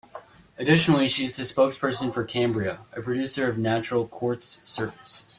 Additionally, she is the spokesperson for Cambria, a producer of natural quartz surfaces.